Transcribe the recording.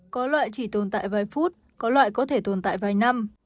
có loại chỉ tồn tại vài phút có loại có thể tồn tại vài năm